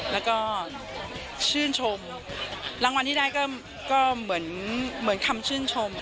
แล้วก็ชื่นชมรางวัลที่ได้ก็เหมือนคำชื่นชม